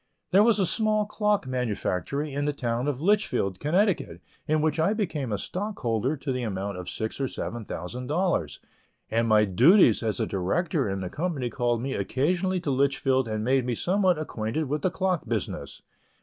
There was a small clock manufactory in the town of Litchfield, Connecticut, in which I became a stockholder to the amount of six or seven thousand dollars, and my duties as a director in the company called me occasionally to Litchfield and made me somewhat acquainted with the clock business.